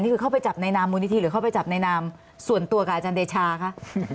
เข้าไปจับในนามมูลนิธิหรือเข้าไปจับในนามส่วนตัวกับอาจารย์เดชาคะ